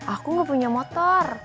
aku gak punya motor